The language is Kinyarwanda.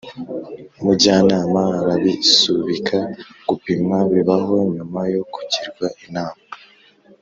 mujyanama arabisubika. gupimwa bibaho nyuma yo kugirwa inama.